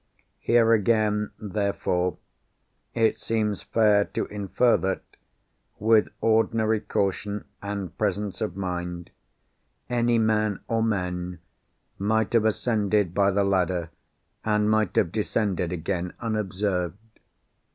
Here again, therefore, it seems fair to infer that—with ordinary caution, and presence of mind—any man, or men, might have ascended by the ladder, and might have descended again, unobserved.